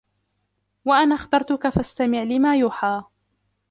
وَأَنَا اخْتَرْتُكَ فَاسْتَمِعْ لِمَا يُوحَى